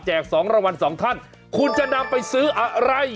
๒รางวัล๒ท่านคุณจะนำไปซื้ออะไร